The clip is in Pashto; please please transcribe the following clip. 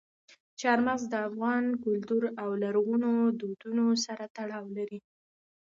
چار مغز د افغان کلتور او لرغونو دودونو سره تړاو لري.